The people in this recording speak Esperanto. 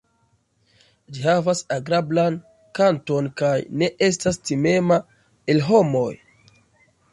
Ĝi havas agrablan kanton kaj ne estas timema el homoj.